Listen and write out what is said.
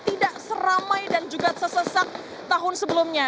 tidak seramai dan juga sesesak tahun sebelumnya